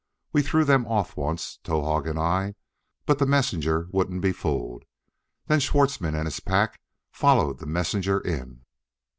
We threw them off once, Towahg and I, but the messenger wouldn't be fooled. Then Schwartzmann and his pack followed the messenger in.